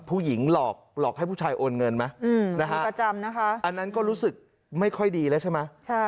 ผู้หญิงหลอกหลอกให้ผู้ชายโอนเงินไหมประจำนะคะอันนั้นก็รู้สึกไม่ค่อยดีแล้วใช่ไหม